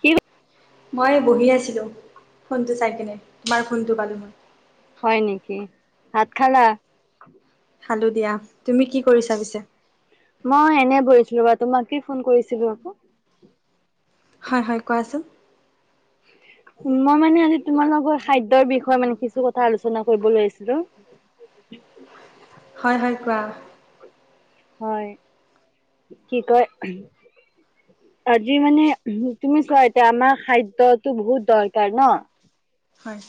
কি হ'ল? মই বহি আছিলোঁ ফোনটো চাই কিনে, তোমাৰ ফোনটো পালোঁ মই। হয় নেকি? ভাত খালা? খালো দিয়া, তুমি কি কৰিছা পিছে? মই এনেই বহিছিলোঁ বা, তোমাকে ফোন কৰিছিলোঁ আকৌ। হয় হয়, কোৱাচোন? মই মানে আজি তোমালোকৰ খাদ্যৰ বিষয়ে মানে কিছু কথা আলোচনা কৰিব লৈ আহিছিলো। হয় হয়, কোৱা? হয়, কি কয়? আজি মানে, তুমি চোৱা এতিয়া আমাৰ খাদ্যতো বহুত দৰকাৰ ন? হয়।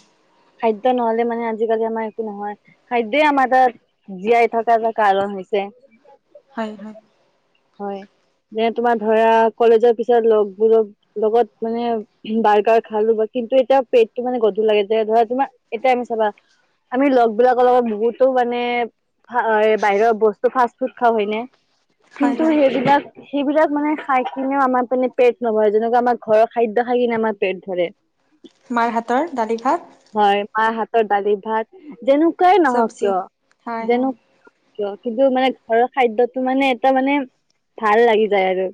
খাদ্য নহ'লে মানে আজিকালি আমাৰ একো নহয়। খাদ্যই আমাৰ তাত- জীয়াই থকা এটা কাৰণ হৈছে। হয়, হয়। হয়, যেনে তোমাৰ ধৰা, কলেজৰ পিছত লগবোৰক লগত মানে- বাৰ্গাৰ খালো বা কিন্তু, এতিয়া পেটটো মানে গধুৰ লাগে যে ধৰা, তোমাৰ এতিয়া আমি চাবা- আমি লগবিলাকৰ লগত বহুতো মানে, ফা এ বাহিৰ বস্তু, ফাষ্ট ফুড খাওঁ হয়নে? হয় কিন্তু হয় সেইবিলাক- সেইবিলাক মানে খাই কিনেও আমাৰ মানে পেট নভৰে, যেনেকুৱা আমাৰ ঘৰৰ খাদ্য খাই কিনে আমাৰ পেট ভৰে। [inaudible] মাৰ হাতৰ, দালি ভাত। হয়, মাৰ হাতৰ দালি ভাত, যেনেকুৱাই নহওঁক চব্জি কিয়? হয় হয় যেনো- কিয়? কিন্তু, মানে ঘৰৰ খাদ্যটো মানে এটা মানে ভাল লাগি যায় আৰু।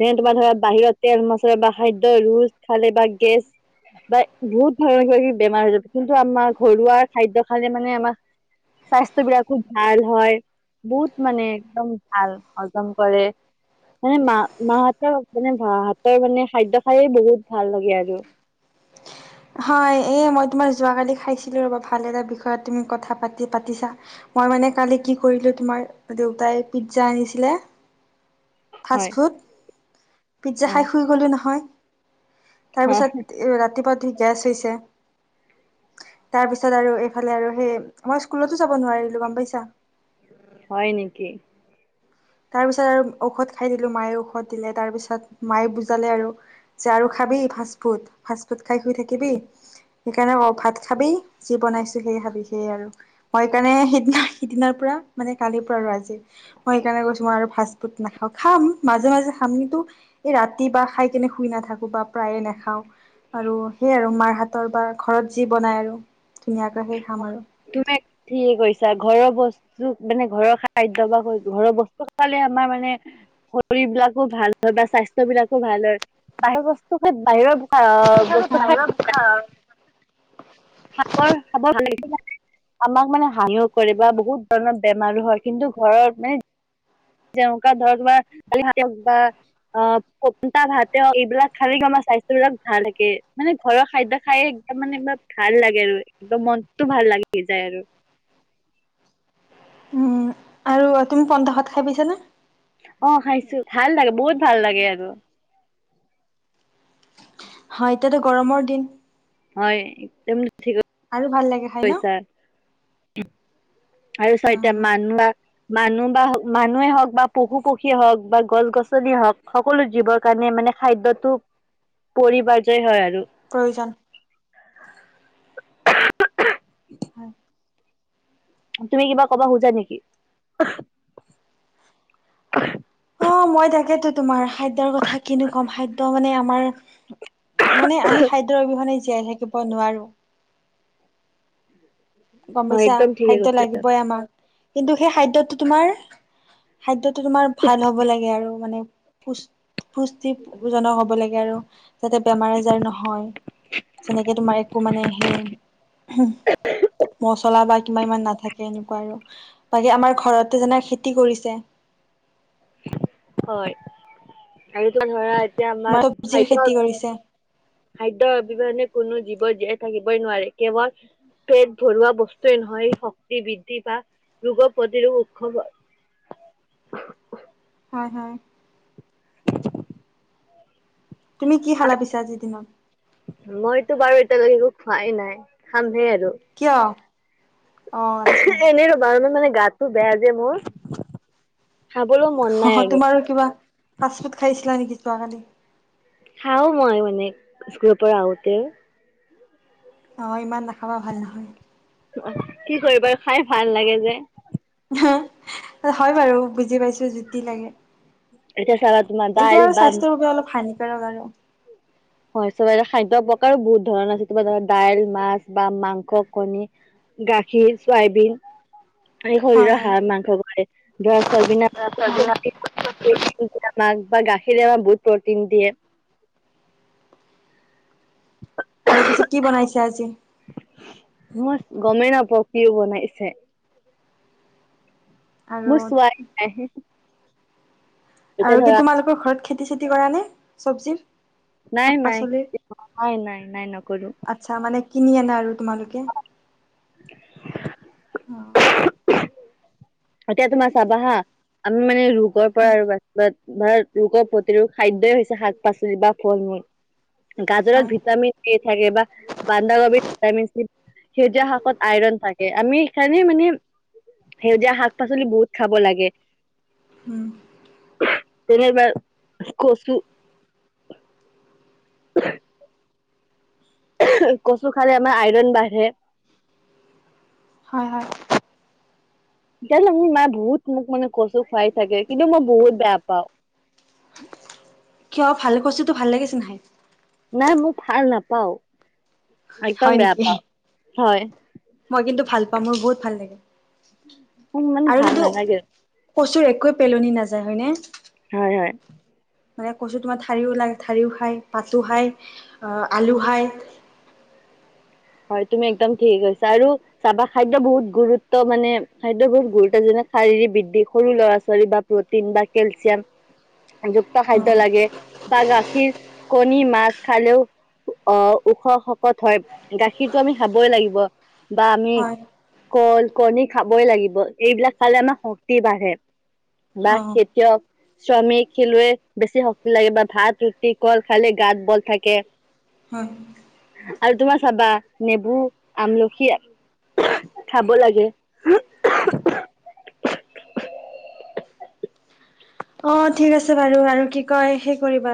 যেনে তোমাৰ ধৰা, বাহিৰত তেল মচলা বা খাদ্য ৰোজ খালে বা গেছ- বা বহুত ধৰণ কিবা কিবি বেমাৰ হৈ যাব, কিন্তু আমাৰ ঘৰুৱা খাদ্য খালে মানে আমাৰ- স্বাস্থ্য বিলাক খুব ভাল হয় বহুত মানে একদম- ভাল হজম কৰে। মানে মা মাহতৰ মানে মা হাতৰ মানে খাদ্য খাইয়ে বহুত ভাল লাগে আৰু। হয়, এ মই তোমাৰ যোৱাকালি খাইছিলো ৰবা ভাল এটা বিষয়ত তুমি কথা পাতি পাতিছা। মই মানে কালি কি কৰিলো তোমাৰ দেউতাই পিজ্জা আনিছিলে- [inaudible] ফাষ্ট ফুড, পিজ্জা অ খাই শুই গ'লো নহয়। তাৰপিছত ৰাতিপুৱা উঠি গেছ হৈছে। তাৰ পিছত আৰু এইফালে আৰু সেই মই স্কুলতো যাব নোৱাৰিলো, গম পাইছা? হয় নেকি? তাৰ পিছত আৰু ঔষধ খাই দিলো মায়ে ঔষধ দিলে তাৰ পিছত, মায়ে বুজালে আৰু। যে আৰু খাবি ফাষ্ট ফুড, ফাষ্ট ফুড খাই শুই থাকিবি। সেইকাৰণে কওঁ ভাত খাবি যি বনাইছো সেই খাবি, সেইয়ে আৰু। মই সেইকাৰণে সিদিনা সিদিনাৰ পৰা মানে কালিৰ পৰা আৰু আজি মই- সেইকাৰণে কৈছো মই আৰু ফাষ্ট ফুড নাখাওঁ, খাম মাজে মাজে খাম কিন্তু- এই ৰাতি বা খাই কেনে শুই নাথাকো বা প্ৰায়ে নাখাওঁ। আৰু সেই আৰু মাৰ হাতৰ বাৰ ঘৰত যি বনাই আৰু ধুনীয়াকৈ সেই খাম আৰু। তুমি ঠিকে কৰিছা, ঘৰৰ বস- মানে ঘৰৰ খাদ্য বা ঘৰৰ বস্তু খাবলে আমাৰ মানে- শৰীৰ বিলাকো ভাল হয় বা স্বাস্থ্য বিলাকো ভাল হয়, বাহিৰ বস্তু খাই বাহিৰৰ- অ বস্তু খাই হা খাবৰ খাব ভাল লাগিব [inaudible] আমাক মানে হাঁনিও কৰে বা বহুত ধৰণৰ বেমাৰো হয় কিন্তু ঘৰৰত মানে যেনেকা ধৰক বা বা অ পন্তা ভাতে হক এইবিলাক খালে আমাৰ স্বাস্থ্যবিলাক ভাল থাকে মানে ঘৰৰ খাদ্য খায় তাৰ মানে কিবা ভাল লাগে আৰু একম মনতটো ভাল লাগি যায় আৰু উম আৰু তুমি পন্তা ভাত খাই পাইছানে। অ খাইছো ভাল লাগে বহুত ভাল লাগে আৰু। হয় এতিয়াতো গৰমৰ দিন। হয়। তুমি ছাগে [inaudible] আৰু ভাল লাগে। খাই ন? খইছাৰ আৰু অ চাৰিটা মানোৱা মানুহ বা মানুহে হওক বা পশু পক্ষীয়ে হওক বা গছ গছনিয়ে হওক সকলো জীৱৰ কাৰণে মানে খাদ্যটো পৰিবাৰজয় হয় আৰু। প্ৰয়োজন। হয় তুমি কিবা কবা খোজা নিকি। অ মই তাকেতো তোমাৰ খাদ্যৰ কথা কিনো কম খাদ্যৰ মানে আমাৰ মানে আমি খাদ্যৰ অবিহনে জীয়াই থাকিব নোৱাৰো। [unintelligible] গম পাইছা একদম ঠিকে খাদ্য কৈছা লাগিবই আমাক কিন্তু সেই খাদ্যয়তো তোমাৰ খাদ্যত টো তোমাৰ ভাল হ'ব লাগে আৰু মানে পুষ্ট পুষ্টি জনক হ'ব লাগে আৰু। যাতে বেমাৰ আজাৰ নহয় যেনেকে তোমাৰ একো মানে সেই মচলা বা কিবা ইমান নাথাকে এনেকুৱা আৰু বাকী আমাৰ ঘৰতে যেনে খেতি কৰিছে। হয় আৰু তোমাৰ ধৰা এতিয়া তোমাৰ আমাক চব্জিৰ খাদ্য। খেতি কৰিছে খাদ্যয অবিহনে কোনো জীৱই জীয়াই থাকিবই নোৱাৰে কেৱল। পেট ভৰোৱা বস্তুৱেই নহয় শক্তি বৃদ্ধি বা ৰোগৰ প্ৰতিৰোগ উৎসৱ। হয়, হয়। তুমি কি খালা পিছে আজি দিনত? মইতো বাৰু এতিয়ালৈকে একো খোৱাই নাই, খামহে আৰু। কিয়? অ আটচ্ছা। এই ৰবা, ৰবা মানে গাতো বেয়া যে মোৰ খাবলৈ মন আৰু। আৰু কিবা। ফাচফুদ খাইছিলা নেকি যোৱাকালি? খাওঁ মই মানে স্কুলৰ পৰা আহোতে। অ, ইমান নাখাবা ভাল নহয়। অহ কি কৰিবা খাই ভাল লাগে যে। হয় বাৰু, বুজি পাইছো জুতি লাগে। এতিয়া চাগাত। এইতো আৰু স্বাস্থ্যৰ বাবে অলপ হানিকাৰক আৰু। হয় চবে খাদ্য প্ৰকাৰো বহুত ধৰণৰ আছে তোমাৰ ধৰা দাইল, মাছ, বা মাংস, কণী। গাখীৰ, চয়াবিন। হয় শৰীৰৰ হয় হাঁহ মাংস কৰে [unintelligible] [unintelligible] বা গাখীৰে আমাক বহুত প্ৰটিন দিয়ে। আৰু পিছে কি বনাইছে আজি? মই গমেই নাপাওঁ কি বনাইছে। আৰু মই চোৱাই নাই। এতিয়া আৰু কি ধৰা তোমালোকৰ ঘৰত খেতি চেতি কৰা নে চব্জিৰ? নাই, শাক নাই, পাচলিৰ [unintelligible] নাই, নাই, নাই নকৰো। চা মানে কিনি আনা আৰু তোমালোকে। [unintelligible] অ এতিয়া তোমাৰ চাবা হা, আমি মানে ৰোগৰ পৰা আৰু বাচিবলে। [unintelligible] ৰোগৰ প্ৰতিৰোধ খাদ্যই হৈছে শাক পাচলি বা ফল মূল। গাজৰত হয় ভিটামিন 'এ' থাকে, বা বান্ধাকবি ভিটামিন চি। সেউজীয়া শাকত আইৰণ থাকে, আমি সেইকাৰণে মানে সেউজীয়া শাক। শাক -পাচলি বহুত খাব লাগে। উম। [unintelligible] কচু খালে আমাৰ আইৰন বাঢ়ে। হয়, হয়। তেতিয়াহ'লে মোৰ মায়ে বহুত মোক মানে কচু খুৱাই থাকে, কিন্তু মই বহুত বেয়া পাওঁ। কিয় ভাল কচুটো ভাল লাগে চোন খাই। নাই মোক ভাল নাপাওঁ, একদম হয় বেয়া নেকি পাওঁ, হয়। মই কিন্তু ভাল পাওঁ, মোৰ বহুত ভাল লাগে, মোক মানে আৰু ভাল কিন্তু নালাগে। কচুৰ একোৱে পেলনি নাযায়, হয়নে? হয়, হয়। মানে কচু তোমাৰ ঠাৰিও লা, ঠাৰিও খায়, পাতো খায়, আলু খায়। [inaudible] হয়' তুমি একদম ঠিকেই কৈছা আৰু। চাবা খাদ্য বহুত গুৰুত্ব মানে, খাদ্য বহুত গুৰুত্ব যেনে- শাৰীৰিক বৃদ্ধি, সৰু ল'ৰা ছোৱালী বা। প্ৰটিন বা কেলচিয়াম, যুক্ত অ, খাদ্য লাগে। বা গাখীৰ, কণী, মাছ খালেও অ' ওখ, শকত হয়। গাখীৰটো আমি খাবই লাগিব বা আমি হয় কল, কণী খাবই লাগিব। এইবিলাক খালে আমাৰ শক্তি বাঢ়ে, বা অ সে কিয়? শ্ৰমিক, খেলুৱৈ বেছি শক্তি লাগে, বা ভাত ৰুটি কল খালে, গাঁত বল থাকে। হয়। আৰু তোমাৰ খাবা, নেবু, আমলখি খাব লাগে। অ' ঠিক আছে বাৰু, আৰু কি কয় সে কৰিবা।